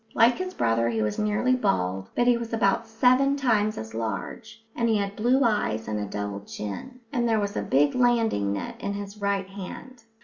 Like his brother, he was nearly bald, but he was about seven times as large, and he had blue eyes and a double chin, and there was a big landing net in his right hand.